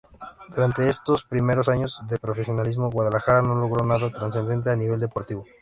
Durante estos primeros años de profesionalismo, Guadalajara no logró nada trascendente a nivel deportivo.